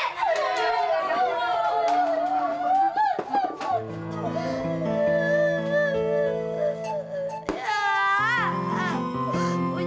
aduh jangan jangan